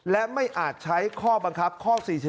และไม่อาจใช้ข้อบังคับข้อ๔๔